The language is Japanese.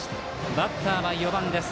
バッターは４番です。